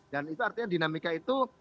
dan itu artinya dinamika itu